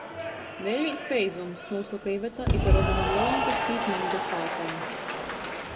"Vēļ vīns peizums," nūsoka Iveta, i par obom ar Jolantu stīp mani da sātai.